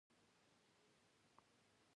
کور د خدای په یاد روښانه کیږي.